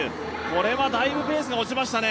これはだいぶペースが落ちましたね。